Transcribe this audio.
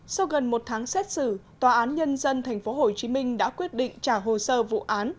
sau gần một tháng xét xử tòa án nhân dân tp hcm đã quyết định trả hồ sơ vụ án